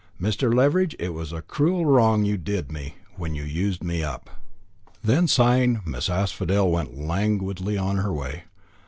Mr. Leveridge, it was a cruel wrong you did me, when you used me up." Then, sighing, Miss Asphodel went languidly on her way.